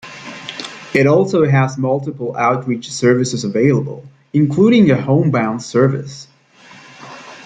It also has multiple outreach services available, including a homebound service.